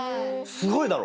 すごいだろ？